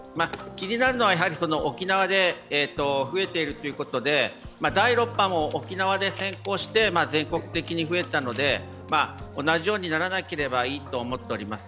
気になるのは沖縄で増えているということで第６波も沖縄で先行して全国的に増えたので、同じようにならなければいいと思っております。